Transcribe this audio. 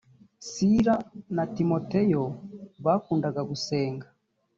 sila na timoteyo bakundaga gusenga.